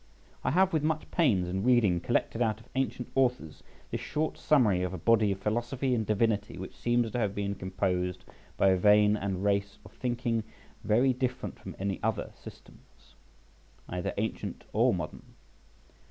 I have with much pains and reading collected out of ancient authors this short summary of a body of philosophy and divinity which seems to have been composed by a vein and race of thinking very different from any other systems, either ancient or modern.